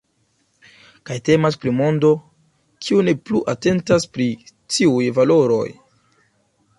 Kaj temas pri mondo, kiu ne plu atentas pri tiuj valoroj.